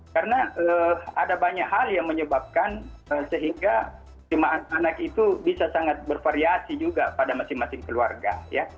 karena ada banyak hal yang menyebabkan sehingga cemaat anak itu bisa sangat bervariasi juga pada masing masing keluarga